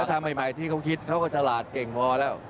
ทำใหม่ที่เขาคิดเขาก็ฉลาดเก่งพอแล้ว